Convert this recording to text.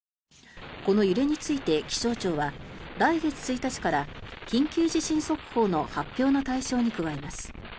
この揺れについて気象庁は来月１日から緊急地震速報の発表の対象に加えます。